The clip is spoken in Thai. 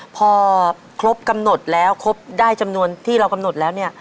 พอครบกำหนดแล้วครบได้จำนวนที่เรากำหนดแล้วเนี่ย